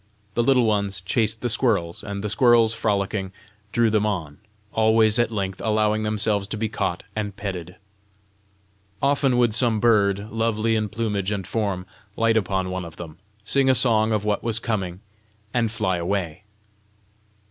The Little Ones chased the squirrels, and the squirrels, frolicking, drew them on always at length allowing themselves to be caught and petted. Often would some bird, lovely in plumage and form, light upon one of them, sing a song of what was coming, and fly away.